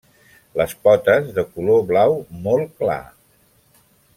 Les potes de color blau molt clar.